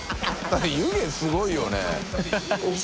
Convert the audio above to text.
湯気すごいよね。